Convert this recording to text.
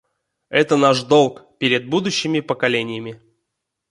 Это наш долг перед будущими поколениями.